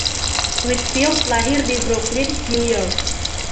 Whitfield lahir di Brooklyn, New York.